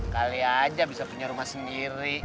kali aja bisa punya rumah sendiri